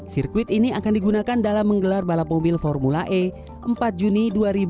sirkuit ini akan digunakan dalam menggelar balap mobil formula e empat juni dua ribu dua puluh